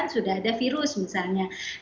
sudah ada virus misalnya